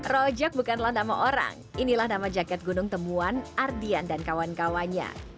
rojak bukanlah nama orang inilah nama jaket gunung temuan ardian dan kawan kawannya